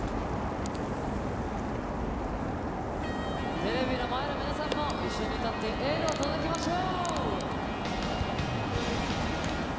テレビの前の皆さんも、一緒に歌ってエールを届けましょう。